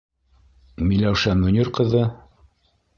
Миләүшә Мөнир ҡыҙы?!